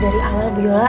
tapi kita ee gunalah